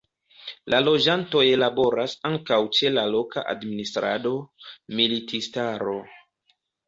La loĝantoj laboras ankaŭ ĉe la loka administrado, militistaro.